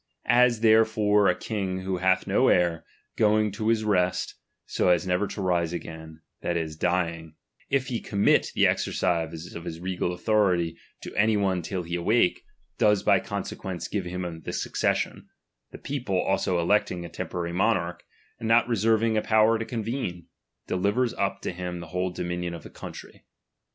As therefore a king who hath no heir, S"oing to his rest so as never to rise again, that is, *iying, if he commit the exercise of his regal Uthority to any one till he awake, does by conse *luence give him the succession ; the people also electing a temporary monarch, and not reserving ^ power to convene, delivers up to him the whole *3.ominion of the country.